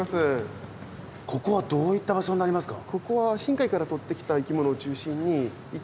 ここはどういった場所になりますか？